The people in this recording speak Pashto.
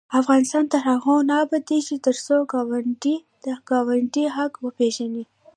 افغانستان تر هغو نه ابادیږي، ترڅو ګاونډي د ګاونډي حق وپيژني.